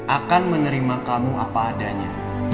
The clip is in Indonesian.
akan menerima kamu apa adanya